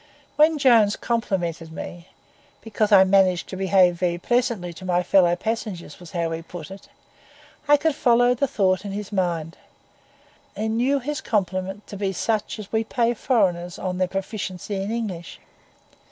When Jones complimented me—because I 'managed to behave very pleasantly' to my fellow passengers, was how he put it—I could follow the thought in his mind, and knew his compliment to be such as we pay foreigners on their proficiency in English.